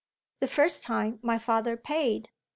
"The first time my father paid."